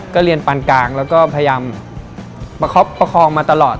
ก็เรียนปานกลางแล้วก็พยายามประคับประคองมาตลอด